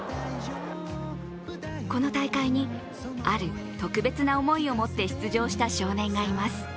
この大会に、ある特別な思いを持って出場した少年がいます。